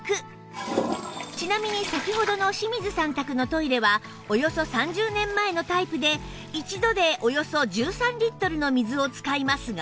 ちなみに先ほどの清水さん宅のトイレはおよそ３０年前のタイプで一度でおよそ１３リットルの水を使いますが